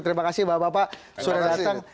terima kasih bapak bapak sudah datang